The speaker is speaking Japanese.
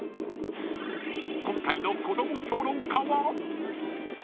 今回の子ども評論家は。